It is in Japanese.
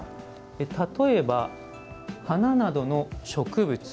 例えば、花などの植物。